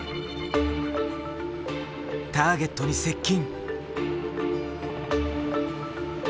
ターゲットに接近。